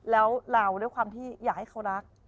แล้วเราด้วยความที่อยากให้เขารัก